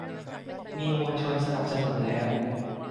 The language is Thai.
มีมวลชนสนับสนุนแล้ว